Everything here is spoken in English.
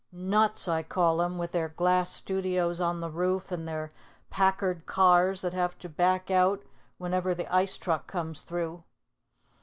Nuts, I call 'em, with their glass studios on the roof and their Packard cars that have to back out whenever the ice truck comes through."